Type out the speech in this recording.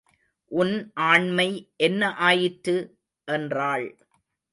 உன் ஆண்மை என்ன ஆயிற்று? என்றாள்.